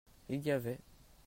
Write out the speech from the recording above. Il y avait.